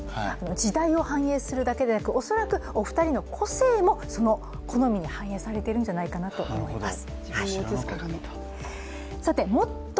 時代を反映するだけでなく恐らくお二人の個性もその好みに反映されているんじゃないかと思います。